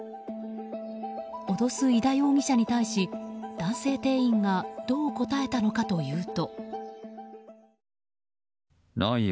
脅す井田容疑者に対し男性店員がどう答えたのかというと。